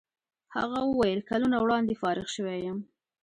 هغه وویل کلونه وړاندې فارغ شوی یم.